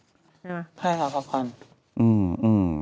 ได้หลักพัน